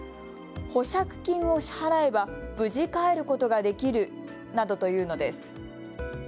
保釈金を支払えば無事、帰ることができるなどというのです。